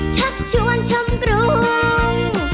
ชักชวนชมกรุง